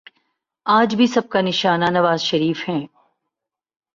آج بھی سب کا نشانہ نوازشریف ہیں۔